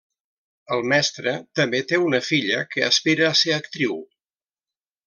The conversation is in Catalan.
El mestre també té una filla, que aspira a ser actriu.